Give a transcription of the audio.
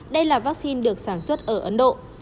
đây là vaccine được sản xuất ở ấn độ